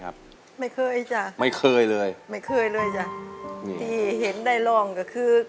ไม่เคยจ้ะไม่เคยเลยไม่เคยเลยจ้ะอืมที่เห็นได้ร้องก็คือ